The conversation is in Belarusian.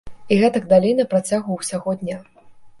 І гэтак далей на працягу ўсяго дня.